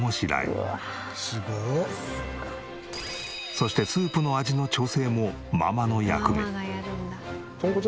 そしてスープの味の調整もママの役目。